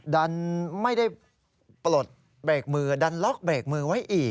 ดันไม่ได้ปลดเบรกมือดันล็อกเบรกมือไว้อีก